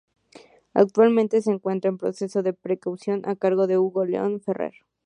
Actualmente se encuentra en proceso de pre-producción, a cargo de Hugo León Ferrer.